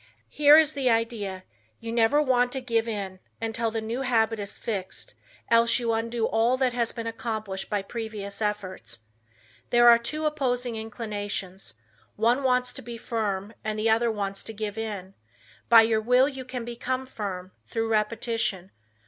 Here is the idea, you never want to give in, until the new habit is fixed else you undo all that has been accomplished by previous efforts. There are two opposing inclinations. One wants to be firm, and the other wants to give in. By your will you can become firm, through repetition.